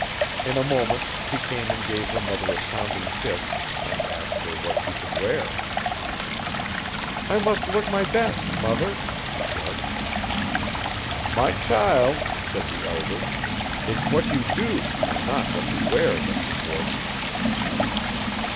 In a moment she came and gave her mother a sounding kiss and asked her what she should wear. 'I must look my best, mother,' she said. 'My child,' said the elder, 'it's what you do and not what you wear that's important.'